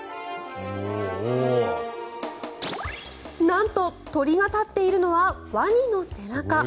なんと、鳥が立っているのはワニの背中。